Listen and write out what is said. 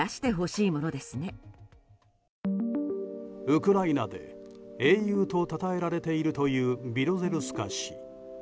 ウクライナで英雄とたたえられているというビロゼルスカ氏。